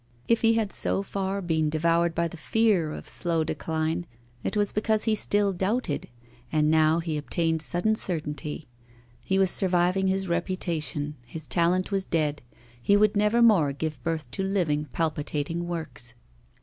If he had so far been devoured by the fear of slow decline, it was because he still doubted; and now he obtained sudden certainty; he was surviving his reputation, his talent was dead, he would never more give birth to living, palpitating works.